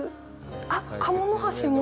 あっ、カモノハシも？